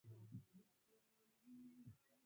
Iniandjikiye ku message ya kawahida